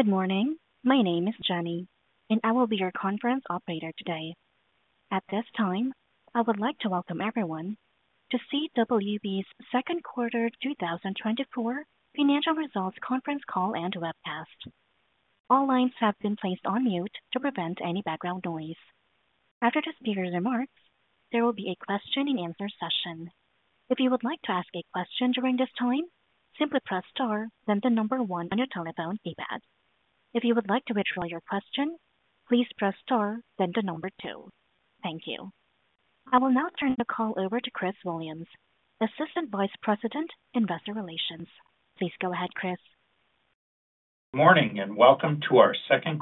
Good morning. My name is Jenny, and I will be your conference operator today. At this time, I would like to welcome everyone to CWB's Q2 2024 financial results conference call and webcast. All lines have been placed on mute to prevent any background noise. After the speaker's remarks, there will be a question and answer session. If you would like to ask a question during this time, simply press star, then the number one on your telephone keypad. If you would like to withdraw your question, please press star, then the number two. Thank you. I will now turn the call over to Chris Williams, Assistant Vice President, Investor Relations. Please go ahead, Chris. Morning, and welcome to our Q2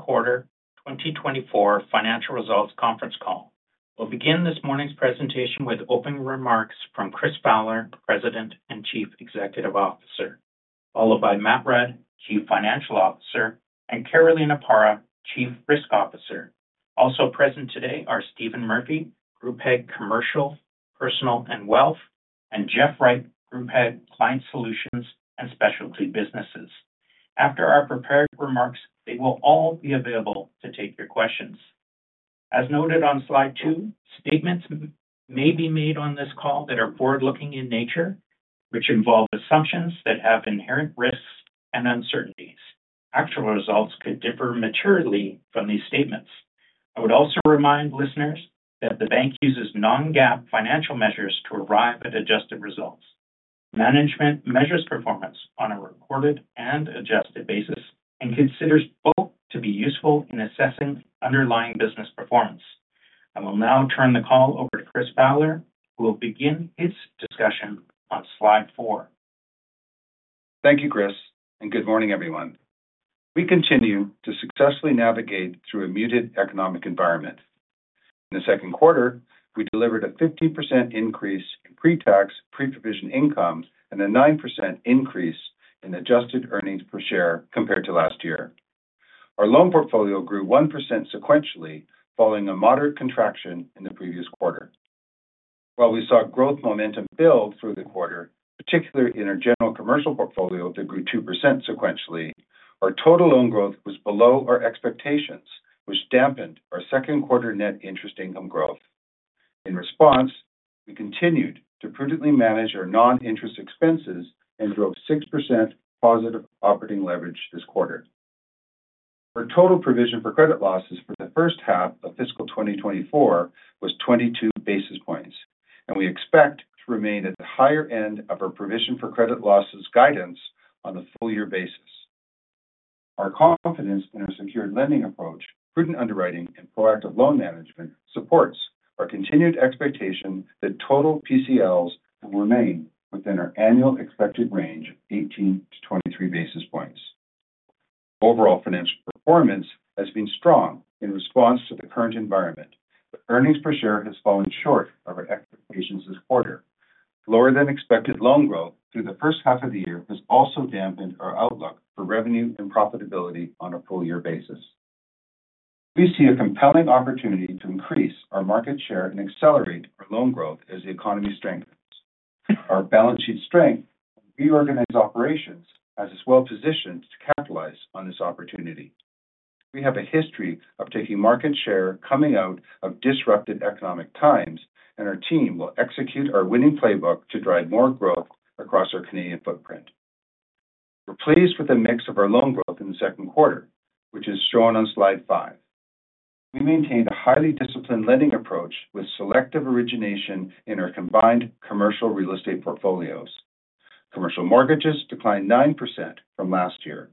2024 financial results conference call. We'll begin this morning's presentation with opening remarks from Chris Fowler, President and Chief Executive Officer, followed by Matt Rudd, Chief Financial Officer, and Carolina Parra, Chief Risk Officer. Also present today are Stephen Murphy, Group Head, Commercial, Personal, and Wealth, and Jeff Wright, Group Head, Client Solutions and Specialty Businesses. After our prepared remarks, they will all be available to take your questions. As noted on slide 2, statements may be made on this call that are forward-looking in nature, which involve assumptions that have inherent risks and uncertainties. Actual results could differ materially from these statements. I would also remind listeners that the bank uses non-GAAP financial measures to arrive at adjusted results. Management measures performance on a recorded and adjusted basis and considers both to be useful in assessing underlying business performance. I will now turn the call over to Chris Fowler, who will begin his discussion on slide four. Thank you, Chris, and good morning, everyone. We continue to successfully navigate through a muted economic environment. In the Q2, we delivered a 15% increase in pre-tax, pre-provision income and a 9% increase in adjusted earnings per share compared to last year. Our loan portfolio grew 1% sequentially, following a moderate contraction in the previous quarter. While we saw growth momentum build through the quarter, particularly in our general commercial portfolio, that grew 2% sequentially, our total loan growth was below our expectations, which dampened our Q2 net interest income growth. In response, we continued to prudently manage our non-interest expenses and drove 6% positive operating leverage this quarter. Our total provision for credit losses for the first half of fiscal 2024 was 22 basis points, and we expect to remain at the higher end of our provision for credit losses guidance on a full year basis. Our confidence in our secured lending approach, prudent underwriting, and proactive loan management supports our continued expectation that total PCLs will remain within our annual expected range of 18-23 basis points. Overall financial performance has been strong in response to the current environment, but earnings per share has fallen short of our expectations this quarter. Lower than expected loan growth through the first half of the year has also dampened our outlook for revenue and profitability on a full year basis. We see a compelling opportunity to increase our market share and accelerate our loan growth as the economy strengthens. Our balance sheet strength and reorganized operations, as it's well-positioned to capitalize on this opportunity. We have a history of taking market share coming out of disrupted economic times, and our team will execute our winning playbook to drive more growth across our Canadian footprint. We're pleased with the mix of our loan growth in the Q2, which is shown on slide 5. We maintained a highly disciplined lending approach with selective origination in our combined commercial real estate portfolios. Commercial mortgages declined 9% from last year,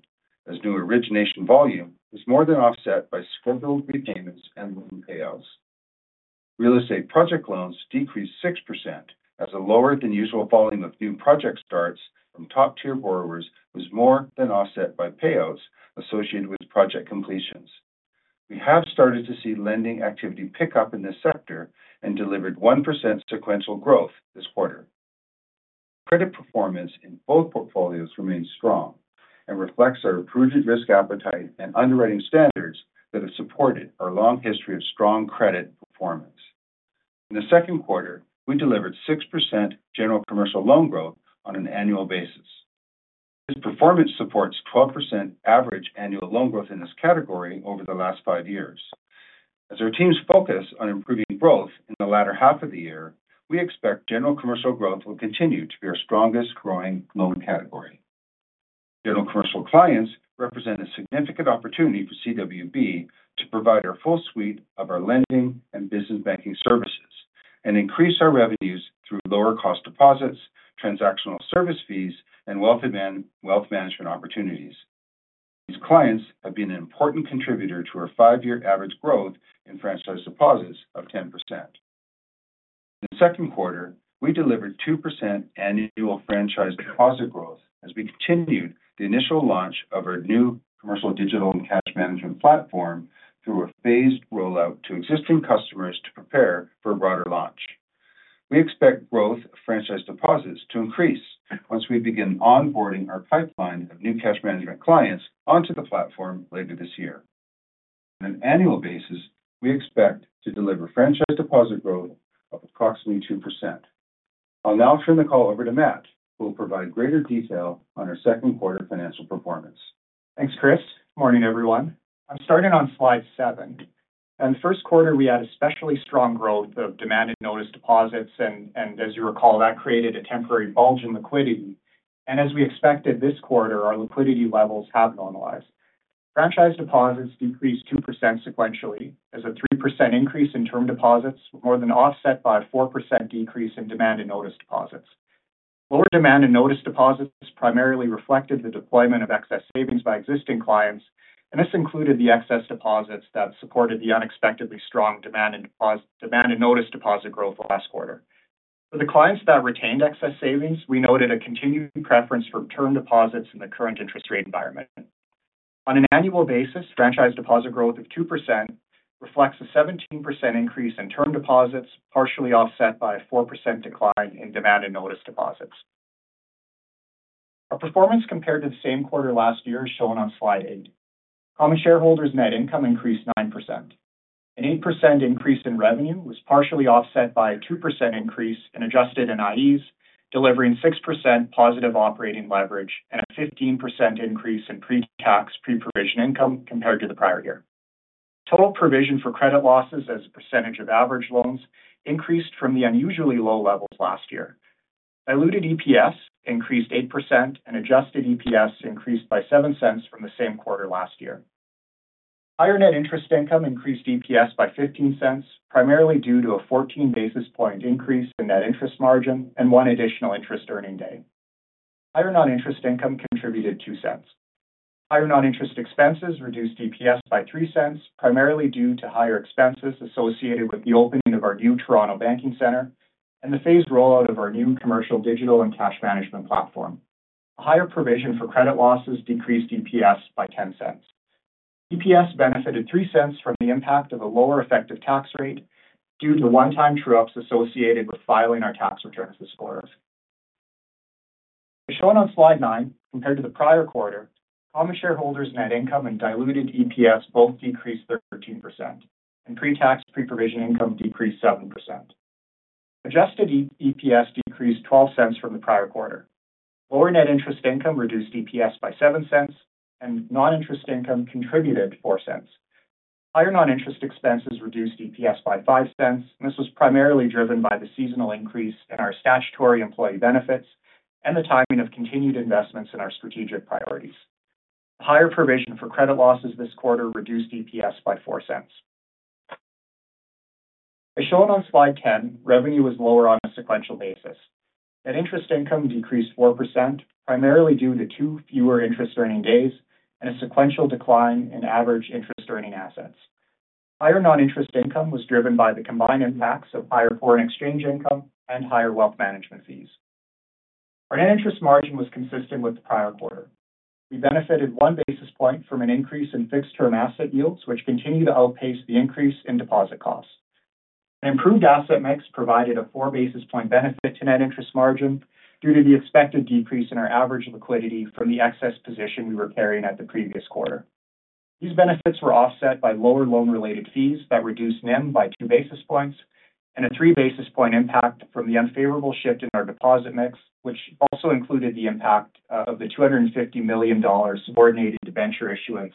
as new origination volume was more than offset by scheduled repayments and loan payouts. Real estate project loans decreased 6% as a lower than usual volume of new project starts from top-tier borrowers was more than offset by payouts associated with project completions. We have started to see lending activity pick up in this sector and delivered 1% sequential growth this quarter. Credit performance in both portfolios remains strong and reflects our prudent risk appetite and underwriting standards that have supported our long history of strong credit performance. In the Q2, we delivered 6% general commercial loan growth on an annual basis. This performance supports 12% average annual loan growth in this category over the last five years. As our teams focus on improving growth in the latter half of the year, we expect general commercial growth will continue to be our strongest growing loan category. General commercial clients represent a significant opportunity for CWB to provide our full suite of our lending and business banking services and increase our revenues through lower cost deposits, transactional service fees, and wealth management opportunities. These clients have been an important contributor to our five-year average growth in franchise deposits of 10%. In the Q2, we delivered 2% annual franchise deposit growth as we continued the initial launch of our new commercial digital and cash management platform through a phased rollout to existing customers to prepare for a broader launch. We expect growth of franchise deposits to increase once we begin onboarding our pipeline of new cash management clients onto the platform later this year. On an annual basis, we expect to deliver franchise deposit growth of approximately 2%. I'll now turn the call over to Matt, who will provide greater detail on our Q2 financial performance. Thanks, Chris. Morning, everyone. I'm starting on slide 7. In the Q1, we had especially strong growth of demand and notice deposits, and as you recall, that created a temporary bulge in liquidity. And as we expected this quarter, our liquidity levels have normalized. Franchise deposits decreased 2% sequentially, as a 3% increase in term deposits more than offset by a 4% decrease in demand and notice deposits. Lower demand and notice deposits primarily reflected the deployment of excess savings by existing clients, and this included the excess deposits that supported the unexpectedly strong demand and notice deposit growth last quarter. For the clients that retained excess savings, we noted a continuing preference for term deposits in the current interest rate environment. On an annual basis, franchise deposit growth of 2% reflects a 17% increase in term deposits, partially offset by a 4% decline in demand and notice deposits. Our performance compared to the same quarter last year is shown on slide 8. Common shareholders' net income increased 9%. An 8% increase in revenue was partially offset by a 2% increase in adjusted NIEs, delivering 6% positive operating leverage and a 15% increase in pre-tax, pre-provision income compared to the prior year. Total provision for credit losses as a percentage of average loans increased from the unusually low levels last year. Diluted EPS increased 8%, and adjusted EPS increased by 0.07 from the same quarter last year. Higher net interest income increased EPS by 0.15, primarily due to a 14 basis point increase in net interest margin and 1 additional interest earning day. Higher non-interest income contributed 0.02. Higher non-interest expenses reduced EPS by 0.03, primarily due to higher expenses associated with the opening of our new Toronto Banking Centre and the phased rollout of our new commercial digital and cash management platform. A higher provision for credit losses decreased EPS by 0.10. EPS benefited 0.03 from the impact of a lower effective tax rate due to 1-time true ups associated with filing our tax returns this quarter. As shown on slide 9, compared to the prior quarter, common shareholders' net income and diluted EPS both decreased 13%, and pre-tax, pre-provision income decreased 7%. Adjusted EPS decreased 0.12 from the prior quarter. Lower net interest income reduced EPS by 0.07, and non-interest income contributed 0.04. Higher non-interest expenses reduced EPS by 0.05, and this was primarily driven by the seasonal increase in our statutory employee benefits and the timing of continued investments in our strategic priorities. Higher provision for credit losses this quarter reduced EPS by 0.04. As shown on slide 10, revenue was lower on a sequential basis. Net interest income decreased 4%, primarily due to 2 fewer interest earning days and a sequential decline in average interest-earning assets. Higher non-interest income was driven by the combined impacts of higher foreign exchange income and higher wealth management fees. Our net interest margin was consistent with the prior quarter. We benefited 1 basis point from an increase in fixed-term asset yields, which continue to outpace the increase in deposit costs. An improved asset mix provided a 4 basis points benefit to net interest margin due to the expected decrease in our average liquidity from the excess position we were carrying at the previous quarter. These benefits were offset by lower loan-related fees that reduced NIM by 2 basis points, and a 3 basis points impact from the unfavorable shift in our deposit mix, which also included the impact of the 250 million dollars subordinated debenture issuance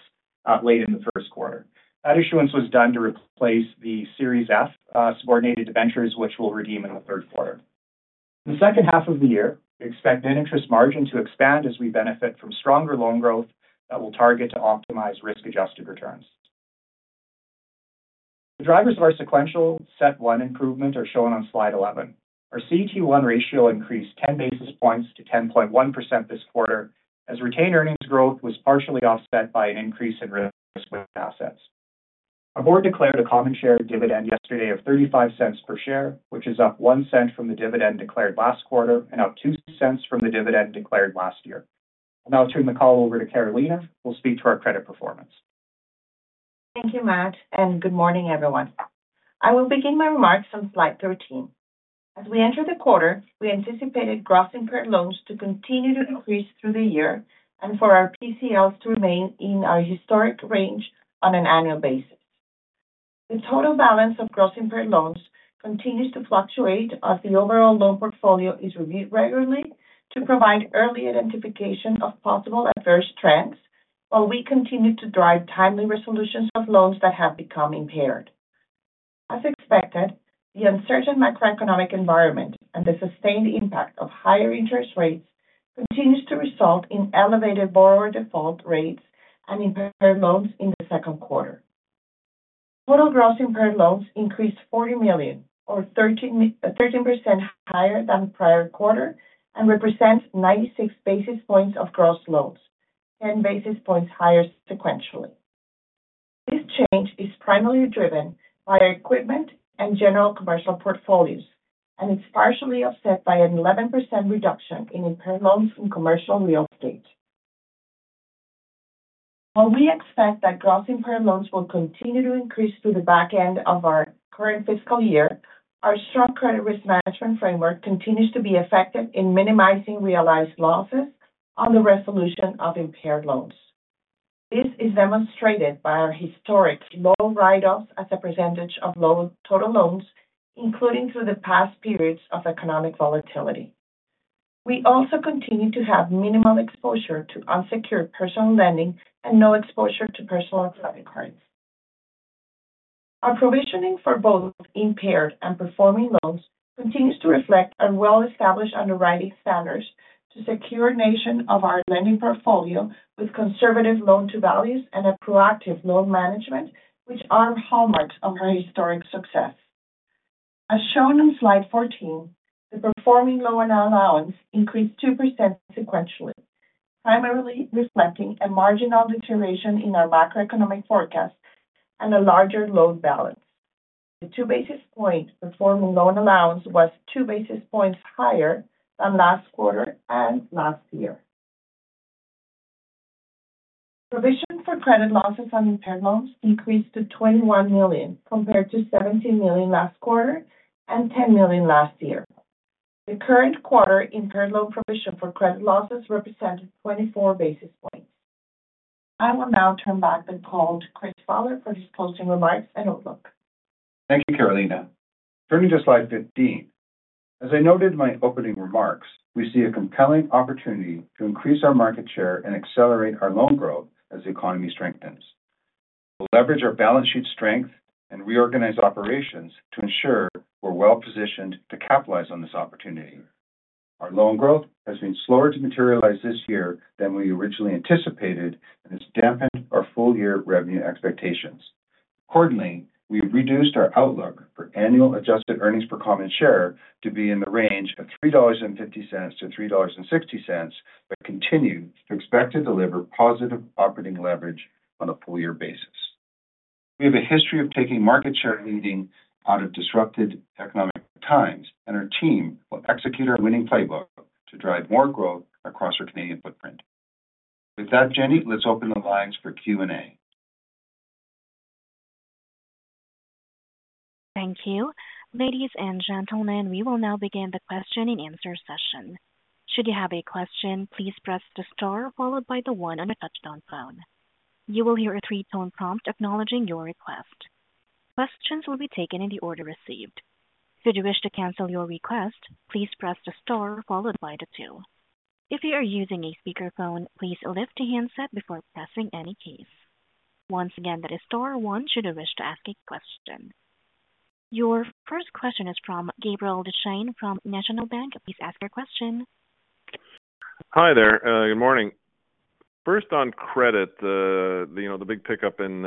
late in the Q1. That issuance was done to replace the Series F subordinated debentures, which we'll redeem in the Q3. In the second half of the year, we expect net interest margin to expand as we benefit from stronger loan growth that will target to optimize risk-adjusted returns. The drivers of our sequential CET1 improvement are shown on slide 11. Our CET1 ratio increased 10 basis points to 10.1% this quarter, as retained earnings growth was partially offset by an increase in risk-weighted assets. Our Board declared a common share dividend yesterday of 0.35 per share, which is up 0.01 from the dividend declared last quarter and up 0.02 from the dividend declared last year. I'll now turn the call over to Carolina, who will speak to our credit performance. Thank you, Matt, and good morning, everyone. I will begin my remarks on slide 13. As we entered the quarter, we anticipated gross impaired loans to continue to decrease through the year and for our PCLs to remain in our historic range on an annual basis. The total balance of gross impaired loans continues to fluctuate as the overall loan portfolio is reviewed regularly to provide early identification of possible adverse trends, while we continue to drive timely resolutions of loans that have become impaired. As expected, the uncertain macroeconomic environment and the sustained impact of higher interest rates continues to result in elevated borrower default rates and impaired loans in the Q2. Total gross impaired loans increased 40 million or 13% higher than the prior quarter and represents 96 basis points of gross loans, 10 basis points higher sequentially. This change is primarily driven by our equipment and general commercial portfolios, and it's partially offset by an 11% reduction in impaired loans in commercial real estate. While we expect that gross impaired loans will continue to increase through the back end of our current fiscal year, our strong credit risk management framework continues to be effective in minimizing realized losses on the resolution of impaired loans. This is demonstrated by our historically low write-offs as a percentage of total loans, including through the past periods of economic volatility. We also continue to have minimal exposure to unsecured personal lending and no exposure to personal and credit cards. Our provisioning for both impaired and performing loans continues to reflect our well-established underwriting standards to securitization of our lending portfolio with conservative loan-to-values and a proactive loan management, which are hallmarks of our historic success. As shown on slide 14, the performing loan allowance increased 2% sequentially, primarily reflecting a marginal deterioration in our macroeconomic forecast and a larger loan balance. The 2 basis points performing loan allowance was 2 basis points higher than last quarter and last year. Provision for credit losses on impaired loans increased to 21 million, compared to 17 million last quarter and 10 million last year. The current quarter impaired loan provision for credit losses represented 24 basis points. I will now turn back the call to Chris Fowler for his closing remarks and outlook. Thank you, Carolina. Turning to slide 15. As I noted in my opening remarks, we see a compelling opportunity to increase our market share and accelerate our loan growth as the economy strengthens. We'll leverage our balance sheet strength and reorganize operations to ensure we're well-positioned to capitalize on this opportunity. Our loan growth has been slower to materialize this year than we originally anticipated, and it's dampened our full-year revenue expectations. Accordingly, we've reduced our outlook for annual adjusted earnings per common share to be in the range of 3.50-3.60 dollars, but continue to expect to deliver positive operating leverage on a full year basis. We have a history of taking market share leading out of disrupted economic times, and our team will execute our winning playbook to drive more growth across our Canadian footprint. With that, Jenny, let's open the lines for Q&A. Thank you. Ladies and gentlemen, we will now begin the question-and-answer session. Should you have a question, please press the star followed by the one on your touch-tone phone. You will hear a three-tone prompt acknowledging your request. Questions will be taken in the order received. Should you wish to cancel your request, please press the star followed by the two. If you are using a speakerphone, please lift the handset before pressing any keys. Once again, that is star one, should you wish to ask a question. Your first question is from Gabriel Dechaine, from National Bank. Please ask your question. Hi there. Good morning. First, on credit, you know, the big pickup in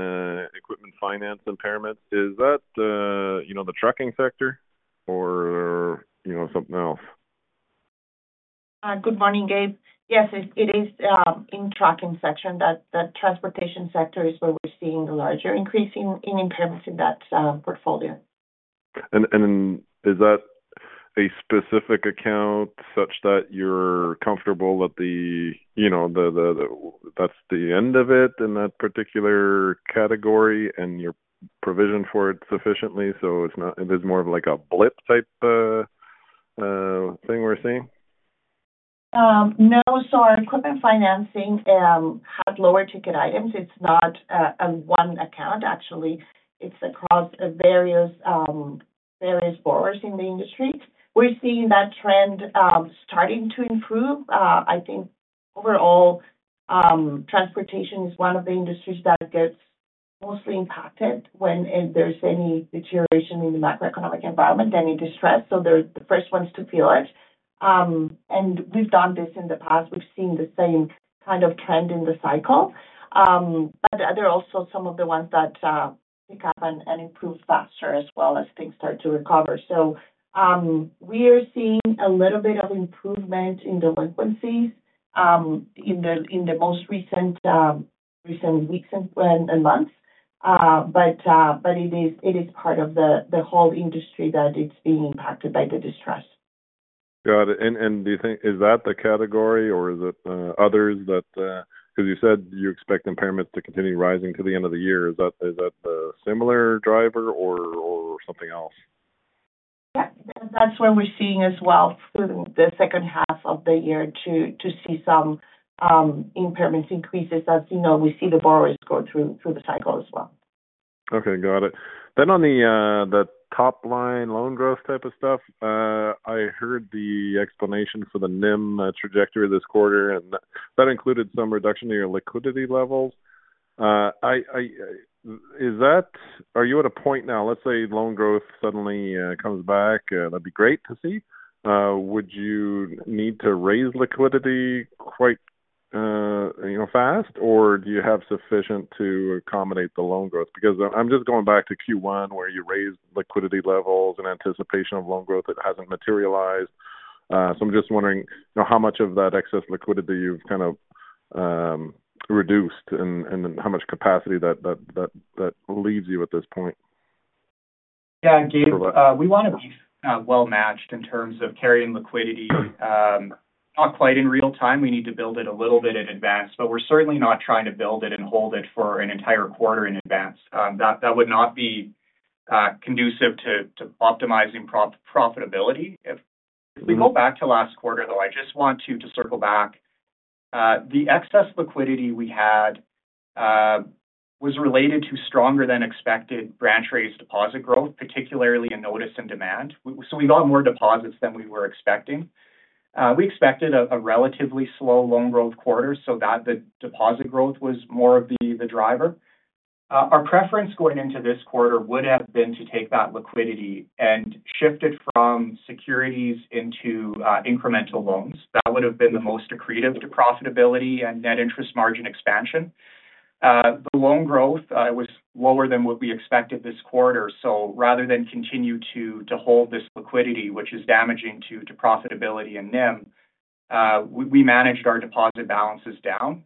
equipment finance impairment, is that, you know, the trucking sector or, you know, something else? Good morning, Gabe. Yes, it is in trucking section that the transportation sector is where we're seeing the larger increase in impairments in that portfolio. Is that a specific account such that you're comfortable that the, you know, that's the end of it in that particular category, and you're provisioned for it sufficiently, so it's not... It is more of like a blip type thing we're seeing? No. So our equipment financing had lower ticket items. It's not one account. Actually, it's across various borrowers in the industry. We're seeing that trend starting to improve. I think overall, transportation is one of the industries that gets mostly impacted when there's any deterioration in the macroeconomic environment, any distress, so they're the first ones to feel it. And we've done this in the past. We've seen the same kind of trend in the cycle. But they're also some of the ones that pick up and improve faster as well as things start to recover. So, we are seeing a little bit of improvement in delinquencies in the most recent weeks and months. But it is part of the whole industry that it's being impacted by the distress. Got it. And do you think is that the category, or is it others that, because you said you expect impairments to continue rising to the end of the year, is that a similar driver or something else? Yeah, that's where we're seeing as well through the second half of the year to see some impairments increases, as you know, we see the borrowers go through the cycle as well. Okay, got it. Then on the top-line loan growth type of stuff, I heard the explanation for the NIM trajectory this quarter, and that included some reduction in your liquidity levels. Is that- Are you at a point now, let's say loan growth suddenly comes back, that'd be great to see. Would you need to raise liquidity quite you know fast, or do you have sufficient to accommodate the loan growth? Because I'm just going back to Q1, where you raised liquidity levels in anticipation of loan growth that hasn't materialized. So I'm just wondering, you know, how much of that excess liquidity you've kind of reduced and how much capacity that leaves you at this point? Yeah, Gabe, we want to be well matched in terms of carrying liquidity. Not quite in real time. We need to build it a little bit in advance, but we're certainly not trying to build it and hold it for an entire quarter in advance. That would not be conducive to optimizing profitability. If we go back to last quarter, though, I just want to circle back. The excess liquidity we had was related to stronger than expected branch raised deposit growth, particularly in notice and demand. So we got more deposits than we were expecting. We expected a relatively slow loan growth quarter, so that the deposit growth was more of the driver. Our preference going into this quarter would have been to take that liquidity and shift it from securities into incremental loans. That would have been the most accretive to profitability and net interest margin expansion. The loan growth was lower than what we expected this quarter, so rather than continue to hold this liquidity, which is damaging to profitability and NIM, we managed our deposit balances down.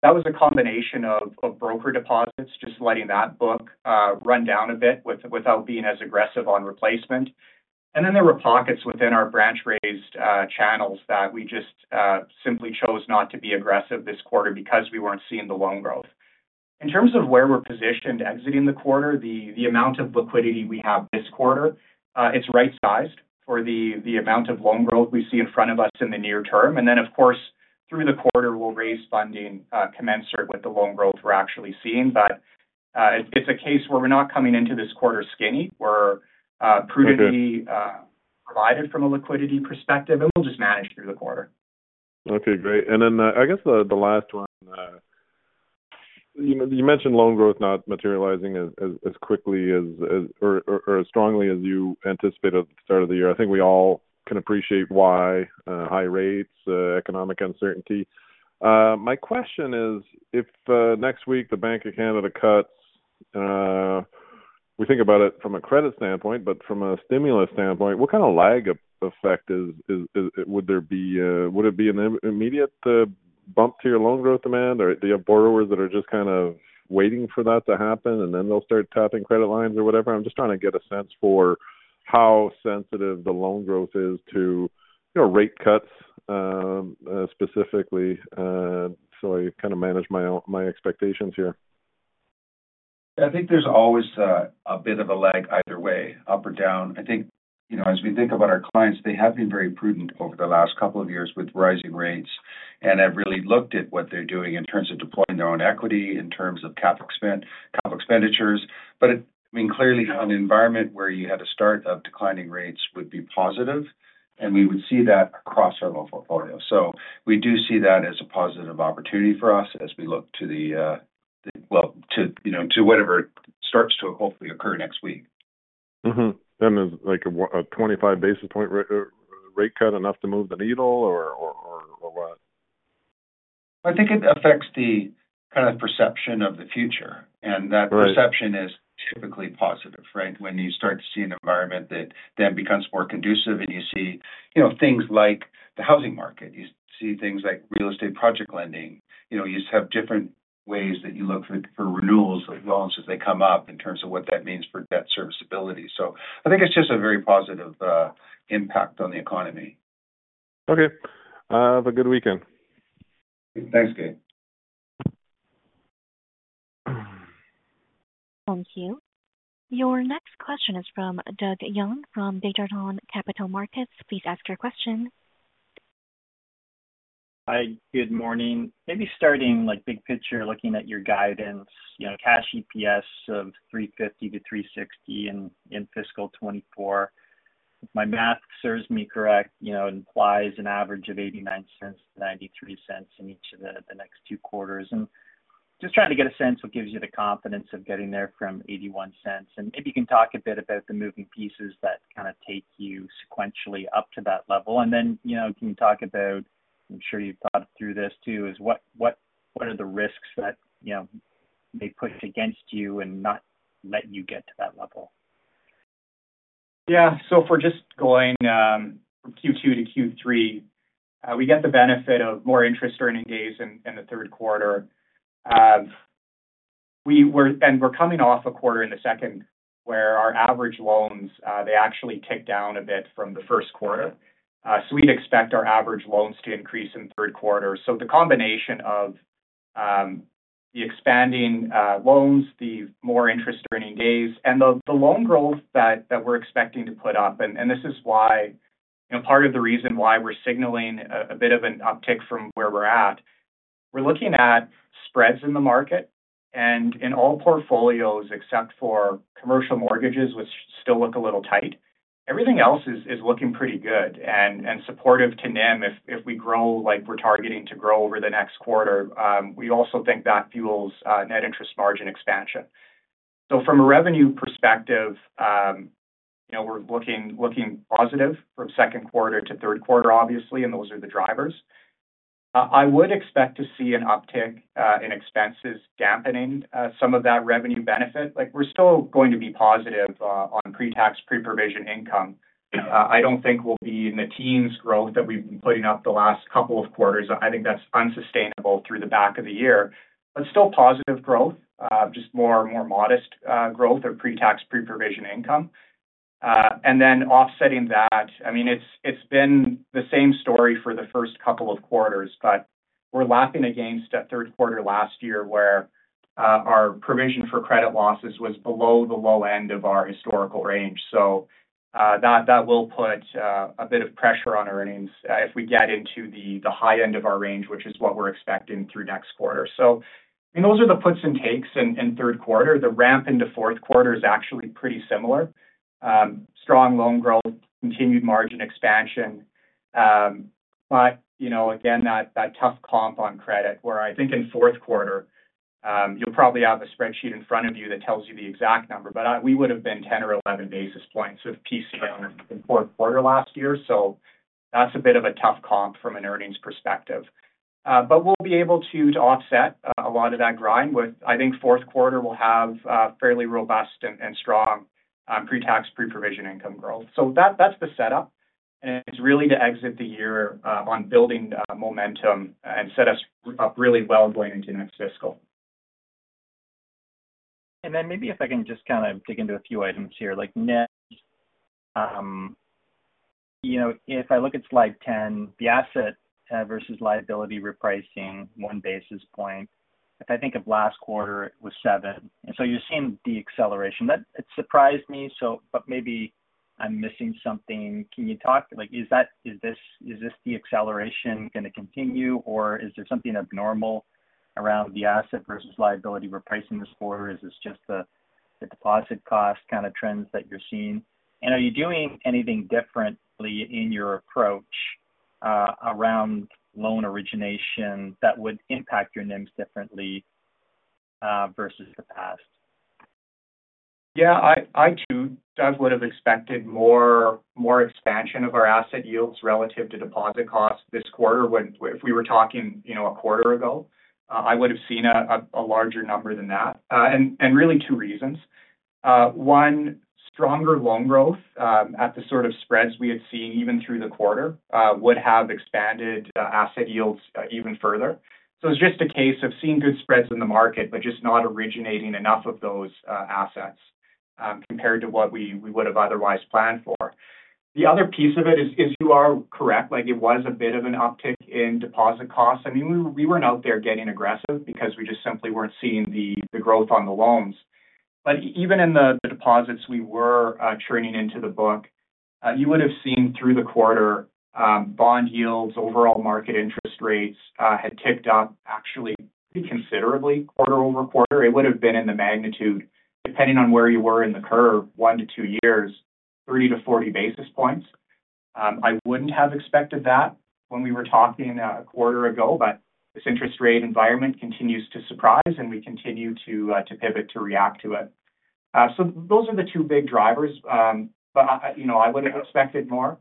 That was a combination of broker deposits, just letting that book run down a bit without being as aggressive on replacement. And then there were pockets within our branch-raised channels that we just simply chose not to be aggressive this quarter because we weren't seeing the loan growth. In terms of where we're positioned exiting the quarter, the amount of liquidity we have this quarter, it's right-sized for the amount of loan growth we see in front of us in the near term. And then, of course, through the quarter, we'll raise funding commensurate with the loan growth we're actually seeing. But it's a case where we're not coming into this quarter skinny. We're- Okay... prudently, provided from a liquidity perspective, and we'll just manage through the quarter. Okay, great. And then, I guess the last one, you mentioned loan growth not materializing as quickly as or as strongly as you anticipated at the start of the year. I think we all can appreciate why, high rates, economic uncertainty. My question is, if next week, the Bank of Canada cuts, we think about it from a credit standpoint, but from a stimulus standpoint, what kind of lag effect would there be, would it be an immediate bump to your loan growth demand, or do you have borrowers that are just kind of waiting for that to happen, and then they'll start tapping credit lines or whatever? I'm just trying to get a sense for how sensitive the loan growth is to, you know, rate cuts, specifically, so I kind of manage my own expectations here. I think there's always a bit of a lag either way, up or down. I think, you know, as we think about our clients, they have been very prudent over the last couple of years with rising rates and have really looked at what they're doing in terms of deploying their own equity, in terms of capital expe- capital expenditures. But, I mean, clearly, an environment where you had a start of declining rates would be positive, and we would see that across our loan portfolio. So we do see that as a positive opportunity for us as we look to the, to, you know, to whatever starts to hopefully occur next week. Mm-hmm. Then, is like a 25 basis point rate cut enough to move the needle or, or, or, or what? I think it affects the kind of perception of the future. Right. That perception is typically positive, right? When you start to see an environment that then becomes more conducive, and you see, you know, things like the housing market, you see things like real estate project lending. You know, you just have different ways that you look for, for renewals of loans as they come up, in terms of what that means for debt serviceability. So I think it's just a very positive impact on the economy. Okay. Have a good weekend. Thanks, Gabe. Thank you. Your next question is from Doug Young from Desjardins Capital Markets. Please ask your question. Hi, good morning. Maybe starting, like, big picture, looking at your guidance, you know, cash EPS of 3.50-3.60 in fiscal 2024. If my math serves me correct, you know, it implies an average of 0.89-0.93 in each of the next two quarters. And just trying to get a sense what gives you the confidence of getting there from 0.81, and maybe you can talk a bit about the moving pieces that kind of take you sequentially up to that level. And then, you know, can you talk about... I'm sure you've thought through this, too, is what are the risks that, you know, may push against you and not let you get to that level? Yeah. So if we're just going from Q2 to Q3, we get the benefit of more interest earning days in the Q3. We're coming off a quarter in the second, where our average loans they actually ticked down a bit from the Q1. So we'd expect our average loans to increase in the Q3. So the combination of the expanding loans, the more interest earning days, and the loan growth that we're expecting to put up, and this is why, you know, part of the reason why we're signaling a bit of an uptick from where we're at. We're looking at spreads in the market and in all portfolios, except for commercial mortgages, which still look a little tight. Everything else is looking pretty good and supportive to NIM. If we grow like we're targeting to grow over the next quarter, we also think that fuels net interest margin expansion. So from a revenue perspective, you know, we're looking positive from Q2 to Q3, obviously, and those are the drivers. I would expect to see an uptick in expenses dampening some of that revenue benefit. Like, we're still going to be positive on pre-tax, pre-provision Income. I don't think we'll be in the teens growth that we've been putting up the last couple of quarters. I think that's unsustainable through the back of the year, but still positive growth, just more modest growth of pre-tax, pre-provision income.... And then offsetting that, I mean, it's been the same story for the first couple of quarters, but we're lapping against that Q3 last year, where our provision for credit losses was below the low end of our historical range. So, that will put a bit of pressure on earnings if we get into the high end of our range, which is what we're expecting through next quarter. So, and those are the puts and takes in Q3. The ramp into Q4 is actually pretty similar. Strong loan growth, continued margin expansion. But, you know, again, that tough comp on credit where I think in Q4, you'll probably have a spreadsheet in front of you that tells you the exact number, but, we would have been 10 or 11 basis points with PCL in Q4 last year. So that's a bit of a tough comp from an earnings perspective. But we'll be able to offset a lot of that grind with... I think Q4 will have fairly robust and strong pre-tax, pre-provision income growth. So that's the setup, and it's really to exit the year on building momentum and set us up really well going into next fiscal. And then maybe if I can just kind of dig into a few items here, like net. You know, if I look at slide 10, the asset versus liability repricing 1 basis point. If I think of last quarter, it was 7, and so you're seeing the acceleration. That it surprised me, so but maybe I'm missing something. Can you talk, like, is that is this, is this the acceleration gonna continue, or is there something abnormal around the asset versus liability repricing this quarter? Is this just the deposit cost kind of trends that you're seeing? And are you doing anything differently in your approach around loan origination that would impact your NIMs differently versus the past? Yeah, I too would've expected more expansion of our asset yields relative to deposit costs this quarter. When if we were talking, you know, a quarter ago, I would have seen a larger number than that. And really two reasons. One, stronger loan growth at the sort of spreads we had seen even through the quarter would have expanded asset yields even further. So it's just a case of seeing good spreads in the market, but just not originating enough of those assets compared to what we would have otherwise planned for. The other piece of it is you are correct, like it was a bit of an uptick in deposit costs. I mean, we weren't out there getting aggressive because we just simply weren't seeing the growth on the loans. But even in the deposits we were turning into the book, you would have seen through the quarter, bond yields, overall market interest rates, had ticked up actually considerably quarter-over-quarter. It would have been in the magnitude, depending on where you were in the curve, 1-2 years, 30-40 basis points. I wouldn't have expected that when we were talking a quarter ago, but this interest rate environment continues to surprise, and we continue to pivot, to react to it. So those are the two big drivers. But, you know, I would have expected more.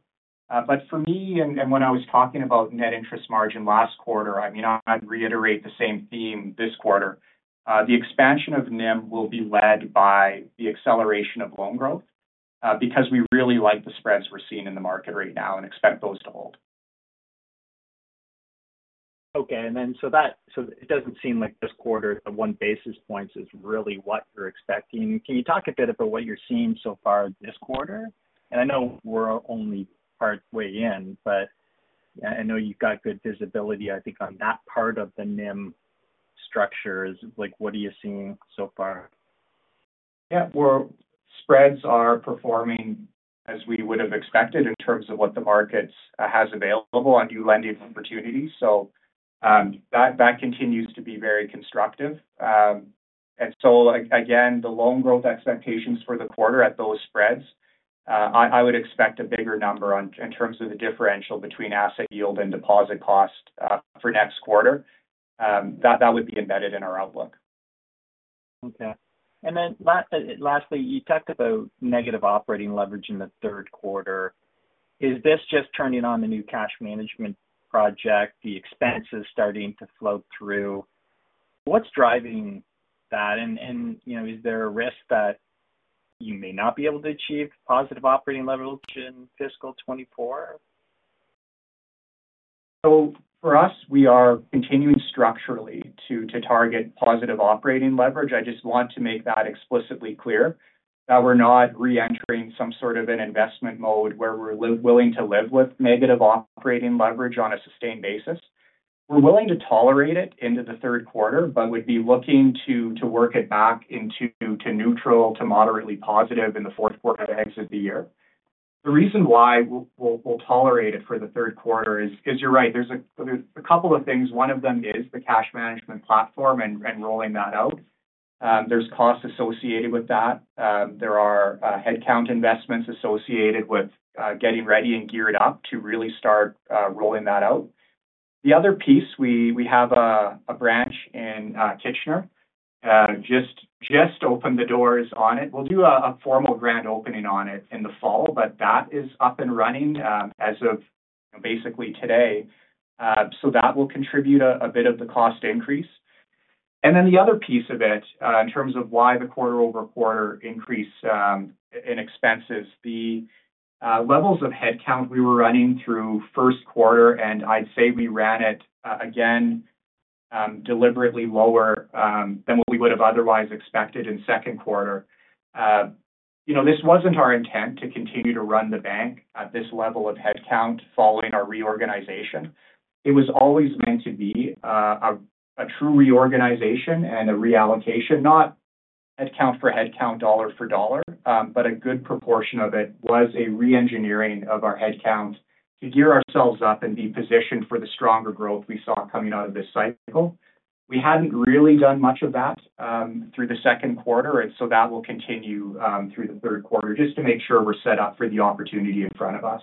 But for me, and when I was talking about net interest margin last quarter, I mean, I'd reiterate the same theme this quarter. The expansion of NIM will be led by the acceleration of loan growth, because we really like the spreads we're seeing in the market right now and expect those to hold. Okay, and then, so it doesn't seem like this quarter of one basis point is really what you're expecting. Can you talk a bit about what you're seeing so far this quarter? I know we're only partway in, but I know you've got good visibility, I think, on that part of the NIM structure. So, like, what are you seeing so far? Yeah, well, spreads are performing as we would have expected in terms of what the markets has available on new lending opportunities. So, that, that continues to be very constructive. And so again, the loan growth expectations for the quarter at those spreads, I, I would expect a bigger number on in terms of the differential between asset yield and deposit cost, for next quarter. That, that would be embedded in our outlook. Okay. And then lastly, you talked about negative operating leverage in the Q3. Is this just turning on the new cash management project, the expenses starting to flow through? What's driving that? And, and, you know, is there a risk that you may not be able to achieve positive operating leverage in fiscal 2024? So for us, we are continuing structurally to target positive operating leverage. I just want to make that explicitly clear that we're not re-entering some sort of an investment mode where we're willing to live with negative operating leverage on a sustained basis. We're willing to tolerate it into the Q3, but would be looking to work it back into neutral, to moderately positive in the Q4 to exit the year. The reason why we'll tolerate it for the Q3 is you're right, there's a couple of things. One of them is the cash management platform and rolling that out. There's costs associated with that. There are headcount investments associated with getting ready and geared up to really start rolling that out. The other piece, we have a branch in Kitchener. Just opened the doors on it. We'll do a formal grand opening on it in the fall, but that is up and running as of basically today. So that will contribute a bit of the cost increase. And then the other piece of it, in terms of why the quarter-over-quarter increase in expenses, the levels of headcount we were running through Q1, and I'd say we ran it deliberately lower than what we would have otherwise expected in Q2. You know, this wasn't our intent to continue to run the bank at this level of headcount following our reorganization. It was always meant to be a true reorganization and a reallocation, not headcount for headcount, dollar for dollar, but a good proportion of it was a reengineering of our headcount to gear ourselves up and be positioned for the stronger growth we saw coming out of this cycle. We hadn't really done much of that through the Q2, and so that will continue through the Q3, just to make sure we're set up for the opportunity in front of us.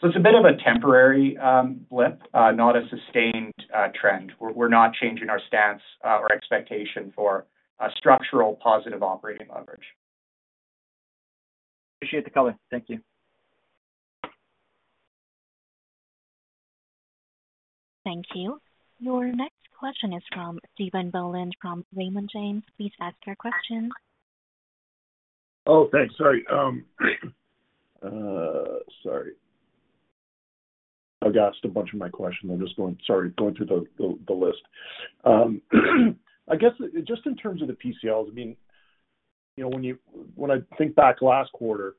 So it's a bit of a temporary blip, not a sustained trend. We're not changing our stance or expectation for a structural positive operating leverage. Appreciate the color. Thank you. Thank you. Your next question is from Stephen Boland, from Raymond James. Please ask your question. Oh, thanks. Sorry, sorry. I've asked a bunch of my questions. I'm just going—sorry, going through the list. I guess just in terms of the PCLs, I mean, you know, when you—when I think back last quarter,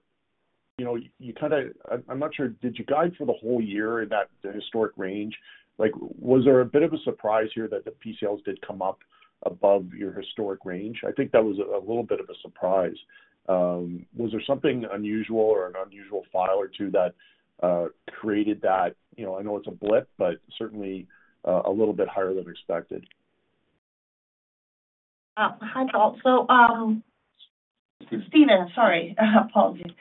you know, you kind of... I'm not sure, did you guide for the whole year in that historic range? Like, was there a bit of a surprise here that the PCLs did come up above your historic range? I think that was a little bit of a surprise. Was there something unusual or an unusual file or two that created that? You know, I know it's a blip, but certainly a little bit higher than expected. Hi, Paul. So, Stephen, sorry. Apologies.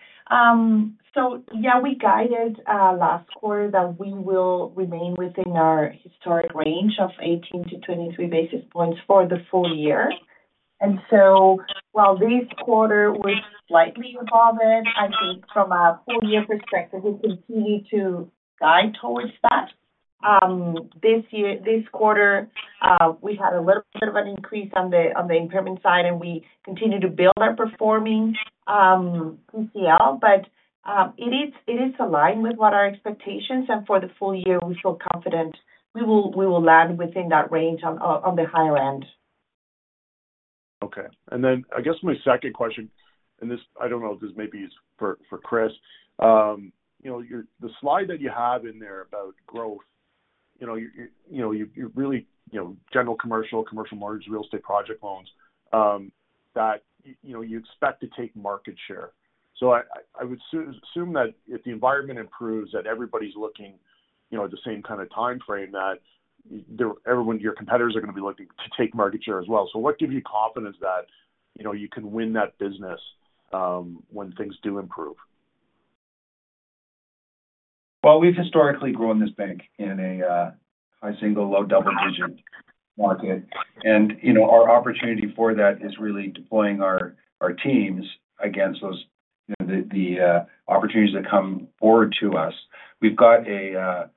So yeah, we guided last quarter that we will remain within our historic range of 18-23 basis points for the full year. And so while this quarter was slightly involved, I think from a full year perspective, we continue to guide towards that. This year - this quarter, we had a little bit of an increase on the improvement side, and we continue to build our performing PCL. But it is aligned with what our expectations, and for the full year, we feel confident we will land within that range on the higher end. Okay. And then I guess my second question, and this, I don't know if this maybe is for Chris. You know, your the slide that you have in there about growth, you know, you really, you know, general commercial, commercial mortgage, real estate project loans, that you know, you expect to take market share. So I would assume that if the environment improves, that everybody's looking, you know, at the same kind of time frame, that there everyone, your competitors are going to be looking to take market share as well. So what gives you confidence that, you know, you can win that business, when things do improve? Well, we've historically grown this bank in a high single, low double-digit market. You know, our opportunity for that is really deploying our teams against those, you know, the opportunities that come forward to us. We've got a,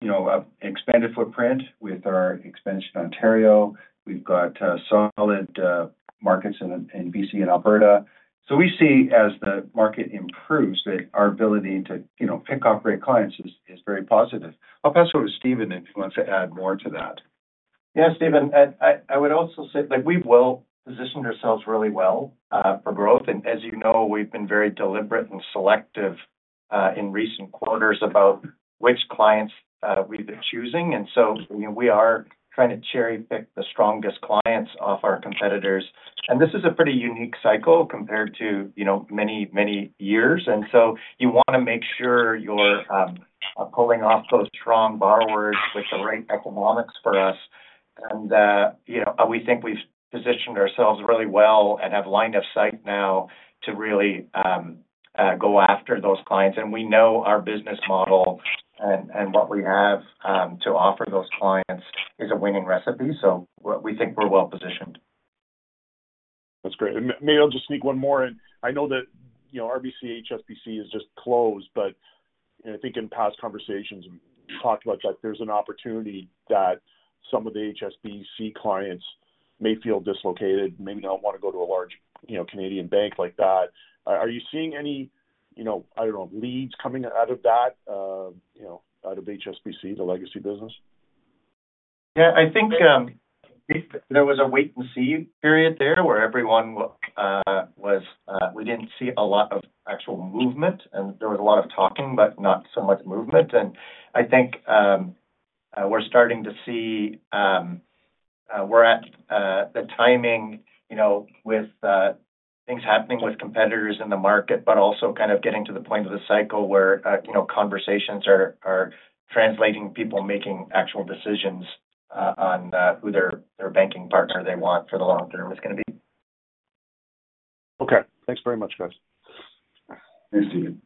you know, expanded footprint with our expansion in Ontario. We've got solid markets in BC and Alberta. So we see as the market improves, that our ability to, you know, pick off great clients is very positive. I'll pass over to Stephen, if he wants to add more to that. Yeah, Stephen, I would also say that we've well-positioned ourselves really well for growth. And as you know, we've been very deliberate and selective in recent quarters about which clients we've been choosing. And so, you know, we are trying to cherry-pick the strongest clients off our competitors. And this is a pretty unique cycle compared to, you know, many, many years. And so you want to make sure you're pulling off those strong borrowers with the right economics for us. And, you know, we think we've positioned ourselves really well and have line of sight now to really go after those clients. And we know our business model and what we have to offer those clients is a winning recipe. So we think we're well positioned. That's great. May I just sneak one more in? I know that, you know, RBC HSBC has just closed, but and I think in past conversations, we talked about that there's an opportunity that some of the HSBC clients may feel dislocated, may not want to go to a large, you know, Canadian bank like that. Are you seeing any, you know, I don't know, leads coming out of that, you know, out of HSBC, the legacy business? Yeah, I think, there was a wait-and-see period there, where everyone was. We didn't see a lot of actual movement, and there was a lot of talking, but not so much movement. And I think, we're starting to see, we're at the timing, you know, with things happening with competitors in the market, but also kind of getting to the point of the cycle where, you know, conversations are translating people making actual decisions on who their banking partner they want for the long term is going to be. Okay. Thanks very much, guys. Thanks, Stephen.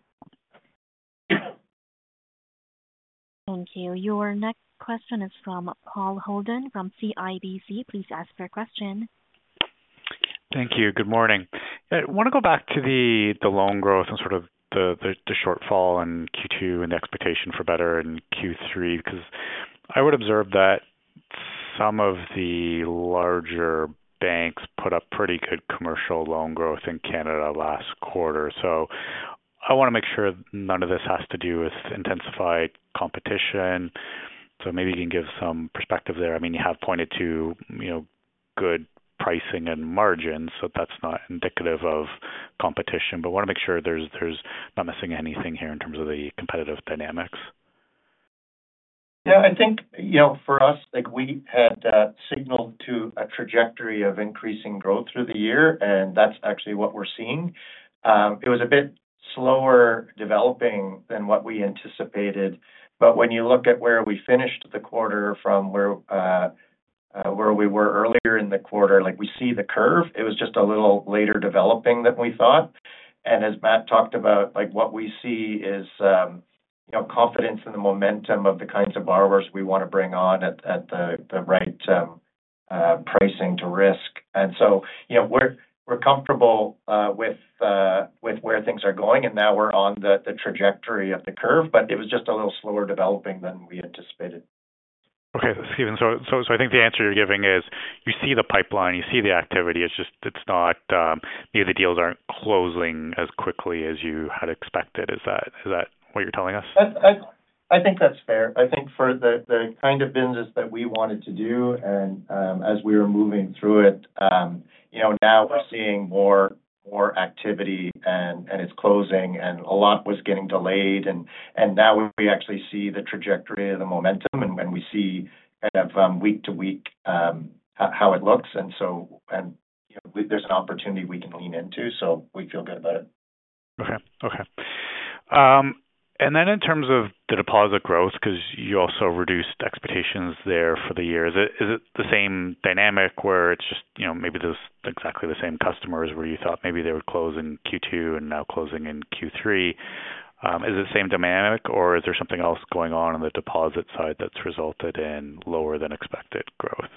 Thank you. Your next question is from Paul Holden, from CIBC. Please ask your question. Thank you. Good morning. I want to go back to the loan growth and sort of the shortfall in Q2 and the expectation for better in Q3, because I would observe that some of the larger banks put up pretty good commercial loan growth in Canada last quarter. So... I wanna make sure none of this has to do with intensified competition, so maybe you can give some perspective there. I mean, you have pointed to, you know, good pricing and margins, so that's not indicative of competition. But wanna make sure there's not missing anything here in terms of the competitive dynamics. Yeah, I think, you know, for us, like we had signaled to a trajectory of increasing growth through the year, and that's actually what we're seeing. It was a bit slower developing than what we anticipated, but when you look at where we finished the quarter from where where we were earlier in the quarter, like, we see the curve. It was just a little later developing than we thought. And as Matt talked about, like, what we see is, you know, confidence in the momentum of the kinds of borrowers we wanna bring on at, at the, the right, pricing to risk. And so, you know, we're, we're comfortable, with, with where things are going, and now we're on the, the trajectory of the curve, but it was just a little slower developing than we anticipated. Okay, Stephen, so, so I think the answer you're giving is you see the pipeline, you see the activity, it's just, it's not, maybe the deals aren't closing as quickly as you had expected. Is that, is that what you're telling us? I think that's fair. I think for the kind of business that we wanted to do and, as we were moving through it, you know, now we're seeing more activity and, it's closing, and a lot was getting delayed. And now we actually see the trajectory of the momentum, and we see kind of, week to week, how it looks, and so and, you know, there's an opportunity we can lean into, so we feel good about it. Okay. Okay. And then in terms of the deposit growth, 'cause you also reduced expectations there for the year. Is it, is it the same dynamic where it's just, you know, maybe those exactly the same customers where you thought maybe they would close in Q2 and now closing in Q3? Is it the same dynamic, or is there something else going on on the deposit side that's resulted in lower than expected growth?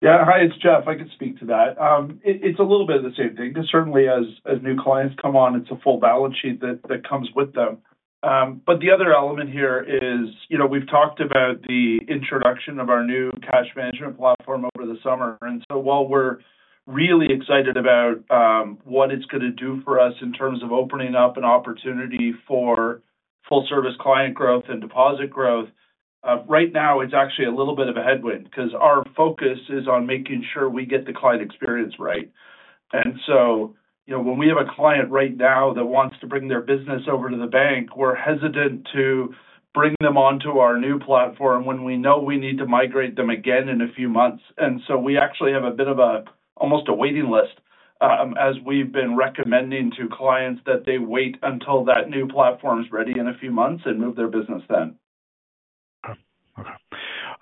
Yeah. Hi, it's Jeff. I can speak to that. It's a little bit of the same thing. Certainly as new clients come on, it's a full balance sheet that comes with them. But the other element here is, you know, we've talked about the introduction of our new cash management platform over the summer. And so while we're really excited about what it's gonna do for us in terms of opening up an opportunity for full service client growth and deposit growth, right now it's actually a little bit of a headwind, 'cause our focus is on making sure we get the client experience right. You know, when we have a client right now that wants to bring their business over to the bank, we're hesitant to bring them onto our new platform when we know we need to migrate them again in a few months. We actually have a bit of a, almost a waiting list, as we've been recommending to clients that they wait until that new platform's ready in a few months and move their business then. Okay.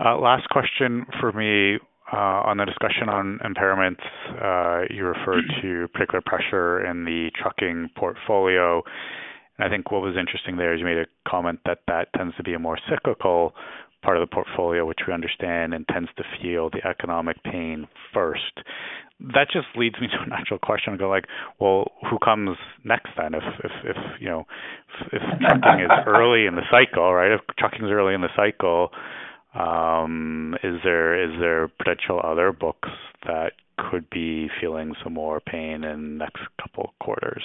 Last question for me on the discussion on impairments. You referred to particular pressure in the trucking portfolio, and I think what was interesting there is you made a comment that that tends to be a more cyclical part of the portfolio, which we understand, and tends to feel the economic pain first. That just leads me to a natural question and go like, well, who comes next then? If you know, if trucking is early in the cycle, right? If trucking is early in the cycle, is there potential other books that could be feeling some more pain in the next couple quarters?